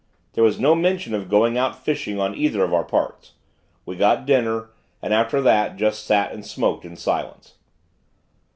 There was no mention of going out fishing on either of our parts. We got dinner, and, after that, just sat and smoked in silence.